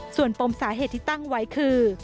ส่วนปมสาเหตุที่ตั้งไว้คือ